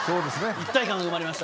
一体感が生まれました。